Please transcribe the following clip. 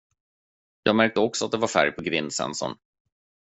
Jag märkte också att det var färg på grindsensorn.